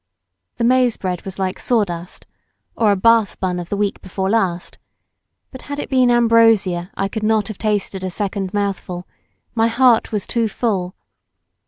The maize bread was like sawdust, or a Bath bun of the week before last; but had it been ambrosia, 1 could not have tasted a second mouthful—my heart was too full.